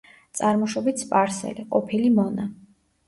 წარმოშობით სპარსელი, ყოფილი მონა.